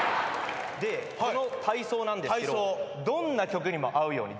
でこの体操なんですけどどんな曲にも合うようにできてる。